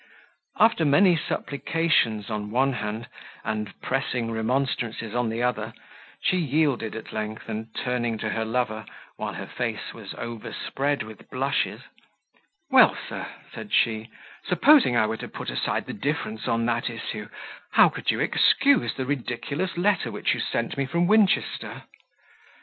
After many supplications on one hand, and pressing remonstrances on the other, she yielded at length, and, turning to her lover while her face was overspread with blushes, "Well, sir," said she, "supposing I were to put the difference on that issue, how could you excuse the ridiculous letter which you sent to me from Winchester?"